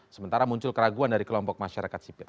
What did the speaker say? sementara muncul keraguan dari kelompok masyarakat sipil